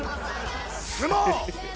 「相撲」。